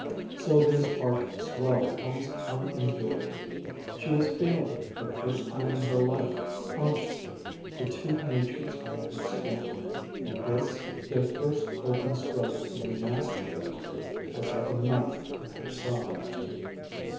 Sylvia's heart swelled almost unendurably. She was feeling, for the first time in her life consciously, the two natures under her skin, and this, their first open struggle for the mastery of her, was like a knife in her side.